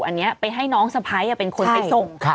อันเนี่ยไปให้น้องสภัยเป็นคนไปส่ง